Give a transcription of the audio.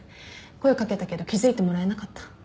声掛けたけど気付いてもらえなかった。